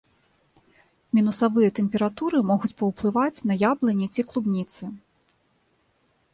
Мінусавыя тэмпературы могуць паўплываць на яблыні ці клубніцы.